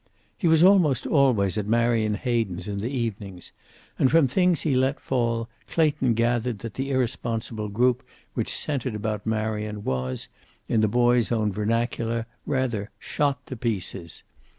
He was almost always at Marion Hayden's in the evenings, and from things he let fall, Clayton gathered that the irresponsible group which centered about Marion was, in the boy's own vernacular, rather "shot to pieces."